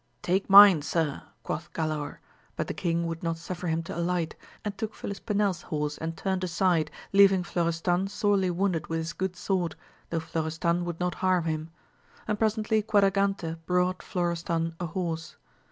Take mine, sir, quoth Galaor ; but the king would not suffer him to alight, and took FilisplnePs horse and turned aside, leaving Florestan sorely wounded with his good sword, though Florestan would not harm him; and presently Quadragante brought Florestan a horse.